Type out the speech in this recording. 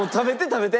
食べて！